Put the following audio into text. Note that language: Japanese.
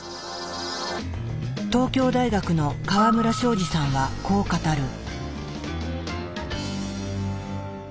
東京大学の河村正二さんはこう語る。